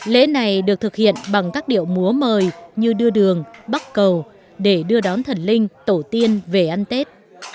lễ này được thực hiện bằng các điệu múa mời như đưa đường bắc cầu để đưa đón thần linh tổ tiên về ăn tết